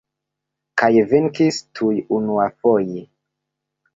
Kaj venkis tuj unuafoje.